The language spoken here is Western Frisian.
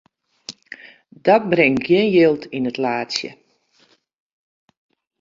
Dat bringt gjin jild yn it laadsje.